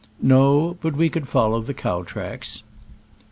No, but we could follow the dr^w tracks.